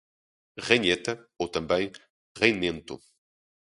Ranheta, ou também, reinento